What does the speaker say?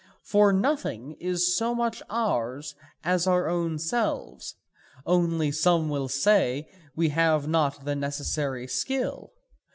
For nothing is so much ours as our own selves. Only, some will say, we have not the necessary skill.